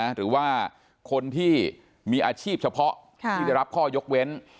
หรือว่าคนที่มีอาชีพเฉพาะที่ได้รับข้อยกเว้น